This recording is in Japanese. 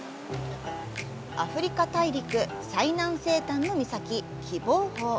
アフリカ大陸、最南西端の岬、喜望峰。